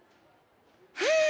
はあ！